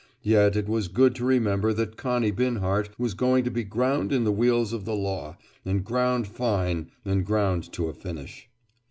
Yet it was good to remember that Connie Binhart was going to be ground in the wheels of the law, and ground fine, and ground to a finish.